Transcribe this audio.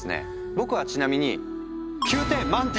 僕はちなみに９点！